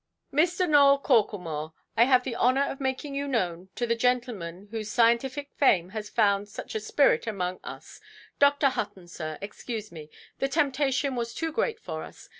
"Mr. Nowell Corklemore, I have the honour of making you known to the gentleman whose scientific fame has roused such a spirit among us. Dr. Hutton, sir, excuse me, the temptation was too great for us.